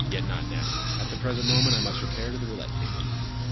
Yet not now: at the present moment I must repair to the roulette table.